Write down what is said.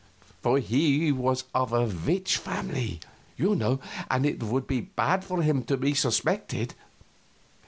For he was of a witch family, you know, and it would be bad for him to be suspected.